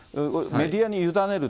メディアに委ねる？